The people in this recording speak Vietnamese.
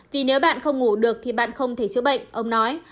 vì nếu bạn không ngủ được thì bạn không thể chữa bệnh ông nói